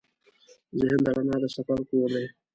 ذهن د رڼا د سفر کور دی.